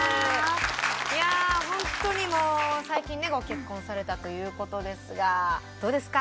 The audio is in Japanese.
いやホントにもう最近ねご結婚されたという事ですがどうですか？